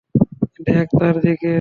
দেখ তার দিকে।